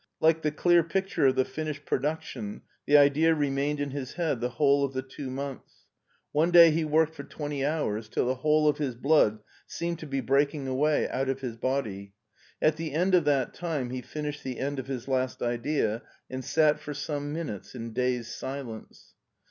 Like the clear picture of the Wished production, the idea remained in his head the whole of the two months. One day he worked for twenty hours, till the whole of his blood seemed to be break ing away out of his body. At the end of that time he finished the end of his last idea, and sat for some minutes in dazed silence.